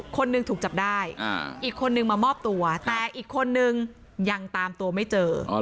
คนหนึ่งถูกจับได้อีกคนนึงมามอบตัวแต่อีกคนนึงยังตามตัวไม่เจอ